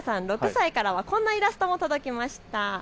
６歳からこんなイラストも届きました。